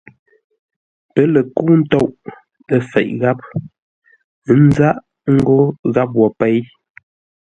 Pə́ lə kə́u ntôʼ, ə́ fěʼ gháp, ə́ nzáʼ ngó gháp wo péi.